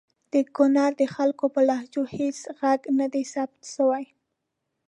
د کنړ د خلګو په لهجو هیڅ ږغ ندی ثبت سوی!